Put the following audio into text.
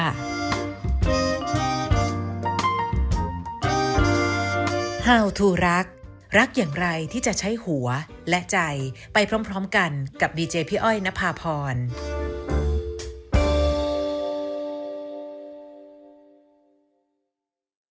โปรดติดตามตอนต่อไป